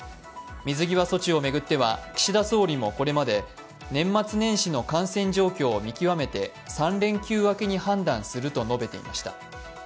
水際措置を巡っては岸田総理もこれまで年末年始の感染状況を見極めて３連休明けに判断すると述べていました。